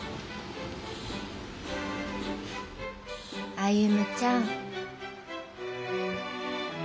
歩ちゃん。